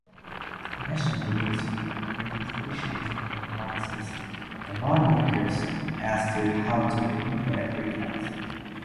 The Commission reviews legislation and advises the lawmakers as to how to implement reforms.